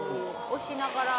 押しながら。